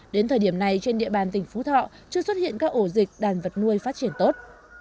đến thời điểm này trên địa bàn tỉnh phú thọ chưa xuất hiện các ổ dịch đàn vật nuôi phát triển tốt